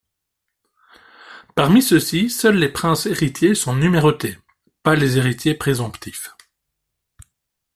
Parmi ceux-ci, seuls les princes héritiers sont numérotés, pas les héritiers présomptifs.